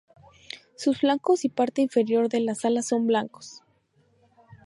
Sus flancos y parte inferior de las alas son blancos.